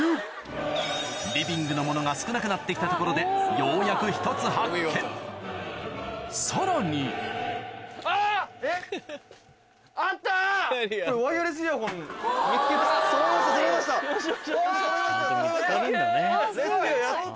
リビングのものが少なくなって来たところでようやくさらに見つけた。